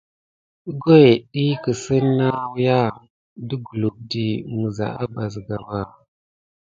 Əgohet ɗiyi kisine na nawuya deglukedi mis aba siga ba.